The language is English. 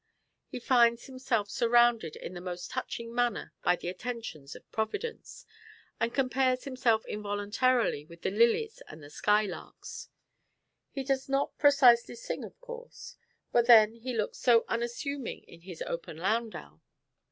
He finds himself surrounded in the most touching manner by the attentions of Providence, and compares himself involuntarily with the lilies and the skylarks. He does not precisely sing, of course; but then he looks so unassuming in his open landau!